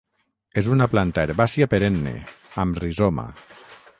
És una planta herbàcia perenne, amb rizoma.